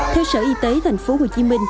theo sở y tế tp hcm